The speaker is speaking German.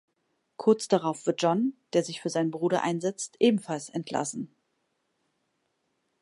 Kurz darauf wird John, der sich für seinen Bruder einsetzt, ebenfalls entlassen.